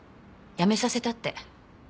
辞めさせたって。